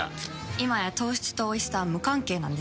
今や糖質とおいしさは無関係なんです。